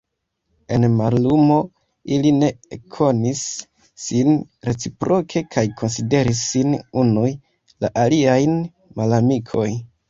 En mallumo ili ne ekkonis sin reciproke kaj konsideris sin unuj la aliajn malamikoj.